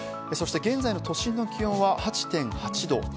そして現在の都心の気温は８．８度。